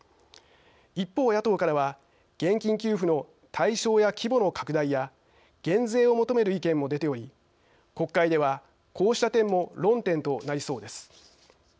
一方、野党からは現金給付の対象や規模の拡大や減税を求める意見も出ており国会ではこうした点も論点となりそうです。